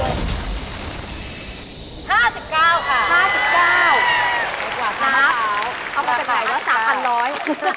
น่ะกว่ากะนับนับนับออกมาแล้ว๓๑หล้อย